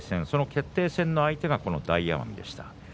決定戦の相手が大奄美でした。